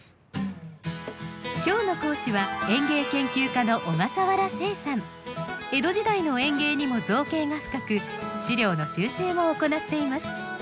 今日の講師は江戸時代の園芸にも造詣が深く資料の収集も行っています。